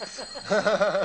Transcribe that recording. ハハハハ。